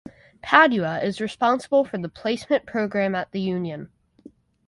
Padua is responsible for the placement program at the union.